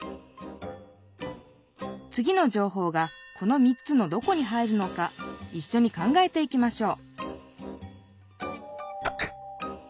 つぎのじょうほうがこの３つのどこに入るのかいっしょに考えていきましょう